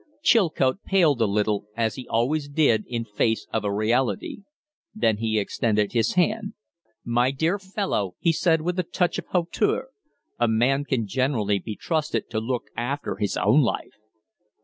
Chilcote paled a little, as he always did in face of a reality. Then he extended his hand. "My dear fellow," he said, with a touch of hauteur, "a man can generally be trusted to look after his own life."